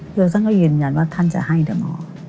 คือท่านก็ยืนยันว่าท่านจะให้แต่หมอ